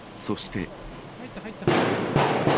そして。